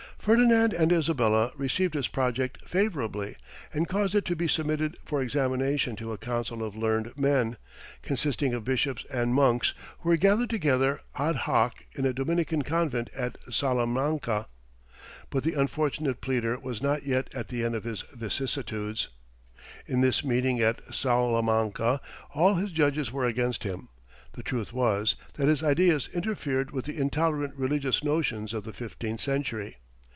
Ferdinand and Isabella received his project favourably, and caused it to be submitted for examination to a council of learned men, consisting of bishops and monks who were gathered together ad hoc in a Dominican convent at Salamanca. But the unfortunate pleader was not yet at the end of his vicissitudes. In this meeting at Salamanca all his judges were against him. The truth was, that his ideas interfered with the intolerant religious notions of the fifteenth century.